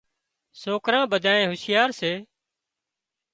سوڪران ٻڌانئين هوشيار سي